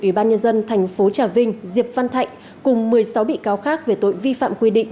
ủy ban nhân dân thành phố trà vinh diệp văn thạnh cùng một mươi sáu bị cáo khác về tội vi phạm quy định